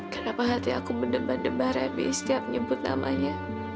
kenapa hati aku bendebar debar bi setiap nyebut namanya